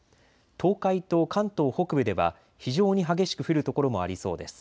東海と関東北部では非常に激しく降る所もありそうです。